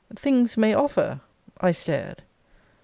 Things may offer I stared.